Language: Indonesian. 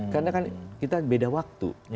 karena kan kita beda waktu